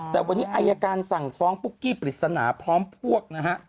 แต่วันนี้อายการสั่งฟ้องปุ๊กกี้ปริศนาพร้อมพวกนะฮะ